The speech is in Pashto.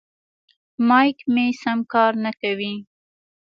مایک مې سم کار نه کوي.